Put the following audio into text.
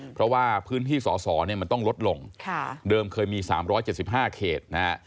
เพราะว่าพื้นที่สอสอเนี่ยมันต้องลดลงเดิมเคยมี๓๗๕เขตนะฮะ